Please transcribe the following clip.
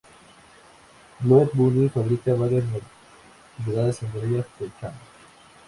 Blue Bunny fabrica varias novedades, entre ellas The Champ!